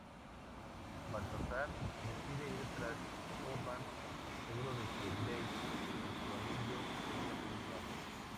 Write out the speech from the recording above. Balthazar decide ir tras Horvath, seguro de que Dave, sin su anillo, sería asesinado.